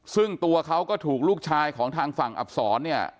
ซึ่งตัวเขาก็ถูกลูกชายของทางฝั่งอับศรเนี่ย